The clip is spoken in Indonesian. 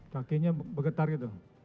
kakinya begetar gitu